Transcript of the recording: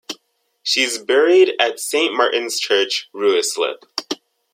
She is buried at Saint Martin's Church, Ruislip.